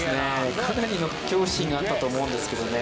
かなりの恐怖心があったと思うんですけどね